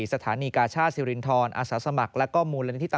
สถานีการ์ช่าศิรินทรอสสมัครและก็มูลได้หน้าที่